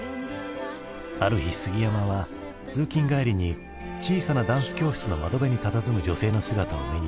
ある日杉山は通勤帰りに小さなダンス教室の窓辺にたたずむ女性の姿を目にし心動かされる。